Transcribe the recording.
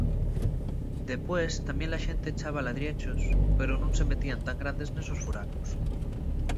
Depués tamién la xente echaba ladrieḷḷos, pero nun se metían tan grandes nesos furacos.